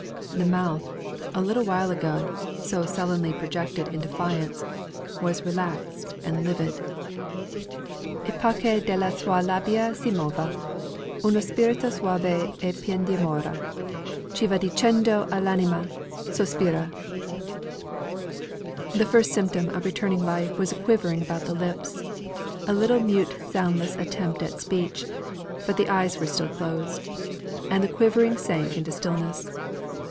The mouth a little while ago, so sullenly projected in defiance was relaxed and livid. "E par che de la sua labbia si mova Uno spirto soave e pien d'amore, Chi va dicendo a l'anima: sospira!" The first symptom of returning life was a quivering about the lips a little mute soundless attempt at speech; but the eyes were still closed; and the quivering sank into stillness.